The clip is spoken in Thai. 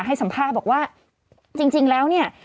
ให้สัมภาพบอกว่าจริงจริงแล้วเนี่ย